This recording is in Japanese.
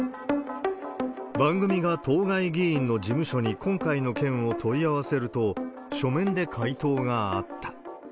番組が当該議員の事務所に今回の件を問い合わせると、書面で回答があった。